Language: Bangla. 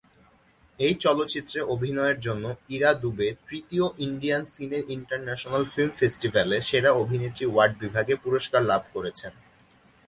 এই চলচ্চিত্রে অভিনয়ের জন্য ইরা দুবে তৃতীয় ইন্ডিয়ান সিনে ইন্টারন্যাশনাল ফিল্ম ফেস্টিভ্যালে সেরা অভিনেত্রী ওয়ার্ড বিভাগে পুরস্কার লাভ করেছেন।